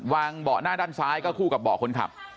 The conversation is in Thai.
เบาะหน้าด้านซ้ายก็คู่กับเบาะคนขับ